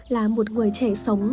là một người trẻ sống